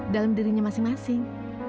dalam dirinya masing masing